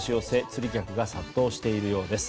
釣り客が殺到しているようです。